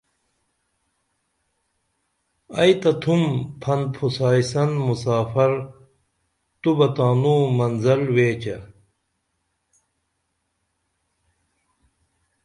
ائی تہ تُھم پھن پُھسائی سن مسافر توبہ تانوں منزل ویچہ